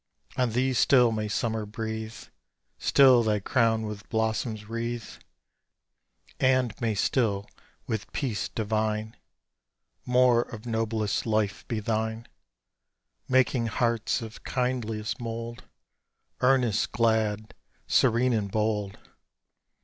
On thee still may summer breathe, Still thy crown with blossoms wreathe; And may still, with peace divine, More of noblest life be thine: Making hearts of kindliest mould Earnest, glad, serene, and bold.